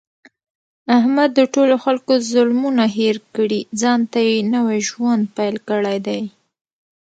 احمد د ټولو خلکو ظلمونه هېر کړي، ځانته یې نوی ژوند پیل کړی دی.